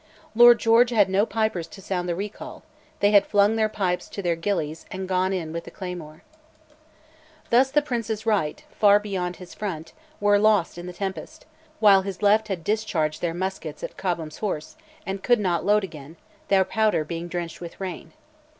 Lord George had no pipers to sound the recall; they had flung their pipes to their gillies and gone in with the claymore. Thus the Prince's right, far beyond his front, were lost in the tempest; while his left had discharged their muskets at Cobham's Horse, and could not load again, their powder being drenched with rain.